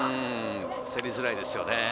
競りづらいですよね。